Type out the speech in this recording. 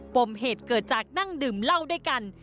ปมเหตุเกิดจากนั่งดื่มเหล้าด้วยกัน